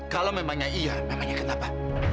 kalau memangnya iya memangnya kenapa